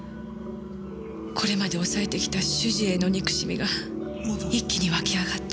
これまで抑えてきた主人への憎しみが一気にわきあがって！